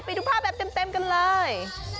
ไปดูภาพแบบเต็มกันเลย